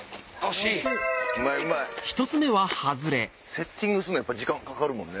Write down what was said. セッティングすんの時間かかるもんね。